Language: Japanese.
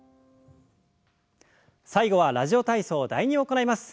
最後は「ラジオ体操第２」を行います。